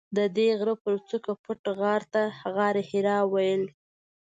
ددې غره پر څوکه پټ غار ته غارحرا ویل.